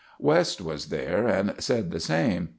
West was there and said the same.